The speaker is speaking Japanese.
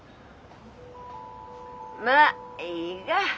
まあいいが。